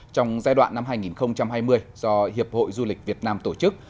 trong giai đoạn năm hai nghìn hai mươi do hiệp hội du lịch việt nam tổ chức